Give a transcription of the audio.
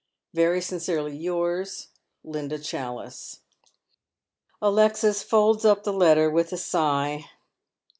" Very sincerely yours, "Linda Challice." Alexis folds up the letter with a sigh.